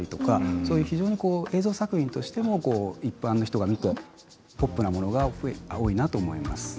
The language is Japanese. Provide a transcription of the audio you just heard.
そういう非常に映像作品としても一般の人が見てポップなものが多いなと思います。